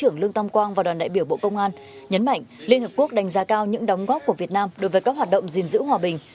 thứ trưởng lương tam quang và đoàn đại biểu bộ công an nhấn mạnh liên hợp quốc đánh giá cao những đóng góp của việt nam đối với các hoạt động dình dữ hòa bình